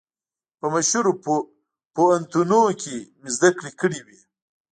په مشهورو پوهنتونو کې مې زده کړې کړې وې.